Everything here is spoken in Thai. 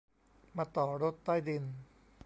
มาต่อรถใต้ดิน